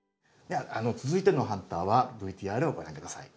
続いてのハンターはＶＴＲをご覧下さい。